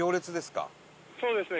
「そうですね。